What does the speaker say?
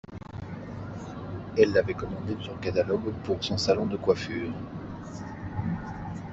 Elle l'avait commandée sur catalogue pour son salon de coiffure.